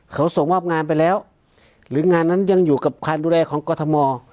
เขาส่งมอบงานไปแล้วหรืองานนั้นยังอยู่กับการดูแลของกรทม